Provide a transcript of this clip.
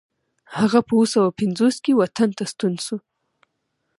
هغه په اوه سوه پنځوس کې وطن ته ستون شو.